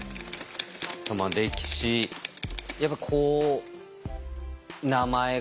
まあ歴史やっぱこう名前がね。